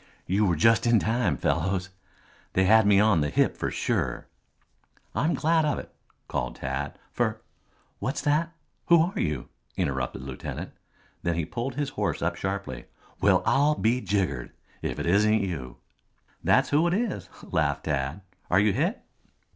"You were just in time, fellows. They had me on the hip for sure." "I'm glad of it," called Tad, "for " "What's that? Who are you?" interrupted the lieutenant. Then he pulled his horse up sharply. "Well, I'll be jiggered, if it isn't you." "That's who it is," laughed Tad. "Are you hit?"